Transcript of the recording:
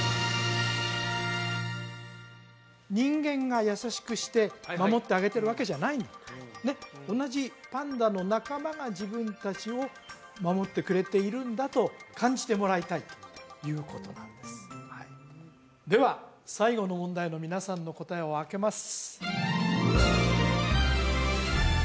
人間が優しくして守ってあげてるわけじゃないんだとね同じパンダの仲間が自分達を守ってくれているんだと感じてもらいたいということなんですでは最後の問題の皆さんの答えをあけます